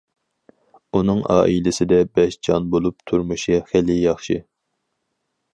ئۇنىڭ ئائىلىسىدە بەش جان بولۇپ، تۇرمۇشى خېلى ياخشى.